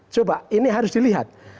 coba ini harus dilihat